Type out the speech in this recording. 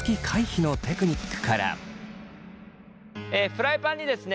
フライパンにですね